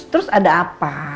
terus ada apa